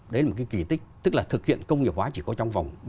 đấy là một cái kỳ tích tức là thực hiện công nghiệp hóa chỉ có trong vòng